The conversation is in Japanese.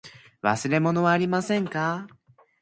忘れ物はありませんか。